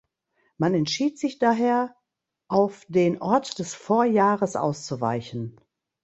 Man entschied sich daher, auf den Ort des Vorjahres auszuweichen.